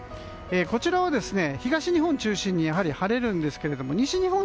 こちらは東日本を中心にやはり晴れるんですけれども西日本